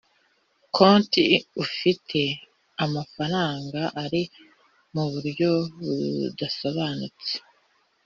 konti ufite amafaranga ari mu buryo budasobanutse